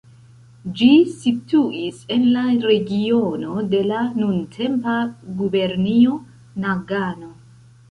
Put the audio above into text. Ĝi situis en la regiono de la nuntempa gubernio Nagano.